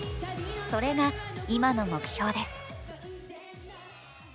それが今の目標です